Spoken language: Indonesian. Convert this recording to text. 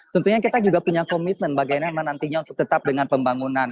tentunya kita juga punya komitmen bagaimana nantinya untuk tetap dengan pembangunan